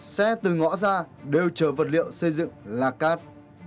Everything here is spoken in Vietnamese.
xe từ ngõ ra đều chở vật liệu xây dựng lạc cát